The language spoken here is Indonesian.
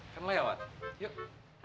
kan lo ya wak yuk